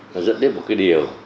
nó dẫn đến một cái điều